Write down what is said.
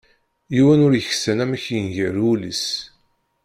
Yiwen ur yuksan amek yenger wul-is.